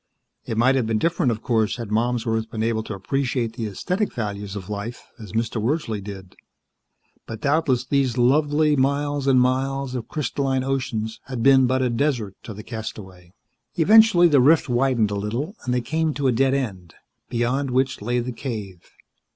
It might have been different, of course, had Malmsworth been able to appreciate the aesthetic values of life, as Mr. Wordsley did. But doubtless these lovely miles and miles of crystalline oceans had been but a desert to the castaway. Eventually the rift widened a little, and they came to a dead end, beyond which lay the cave.